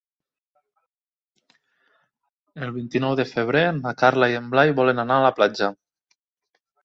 El vint-i-nou de febrer na Carla i en Blai volen anar a la platja.